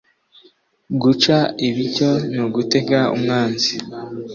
guca ibico n'ugutega umwanzi